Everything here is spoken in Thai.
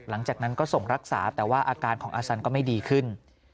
หลังจากนั้นก็ส่งรักษาแต่ว่าอาการของอาสันก็ไม่ดีขึ้น